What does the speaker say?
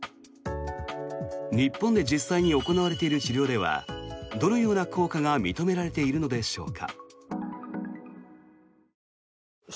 日本で実際に行われている治療ではどのような効果が認められているのでしょうか。